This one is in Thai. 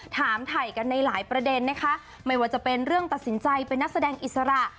ถามถ่ายกันในหลายประเด็นนะคะไม่ว่าจะเป็นเรื่องตัดสินใจเป็นนักแสดงอิสระ